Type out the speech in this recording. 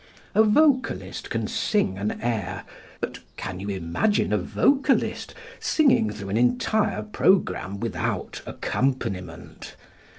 A vocalist can sing an air, but can you imagine a vocalist singing through an entire programme without accompaniment?